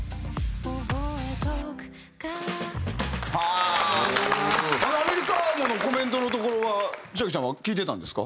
あの「アメリカーノ」のコメントのところは千亜妃ちゃんは聞いてたんですか？